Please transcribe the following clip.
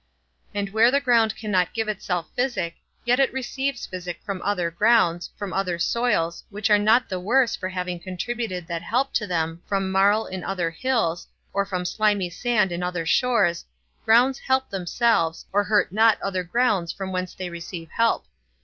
And where the ground cannot give itself physic, yet it receives physic from other grounds, from other soils, which are not the worse for having contributed that help to them from marl in other hills, or from slimy sand in other shores, grounds help themselves, or hurt not other grounds from whence they receive help.